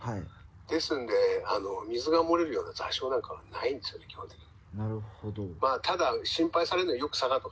ですんで、水が漏れるような座礁なんかはないんですよね、基本的に。